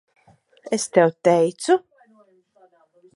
Es tev teicu.